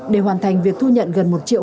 để hoàn thành việc thu nhận gần một triệu